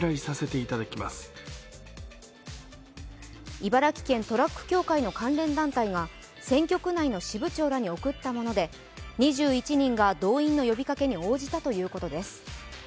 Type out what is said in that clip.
茨城県トラック協会の関連団体が選挙区内の支部長らに送ったもので２１人が動員の呼びかけに応じたということです。